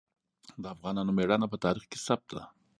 د افغانانو ميړانه په تاریخ کې ثبت ده.